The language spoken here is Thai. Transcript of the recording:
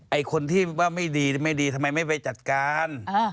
ไอ้คนที่ว่าไม่ดีไม่ดีทำไมไม่ไปจัดการ